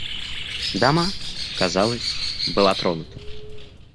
Дама, казалось, была тронута.